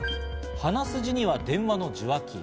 鼻筋には電話の受話器。